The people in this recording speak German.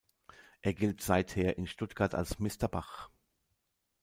Er gilt seither in Stuttgart als „Mister Bach“.